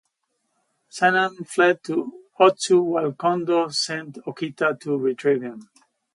Sannan fled to Otsu while Kondo sent Okita to retrieve him.